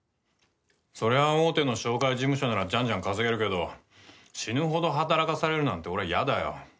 そりゃ大手の渉外事務所ならジャンジャン稼げるけど死ぬほど働かされるなんて俺は嫌だよ。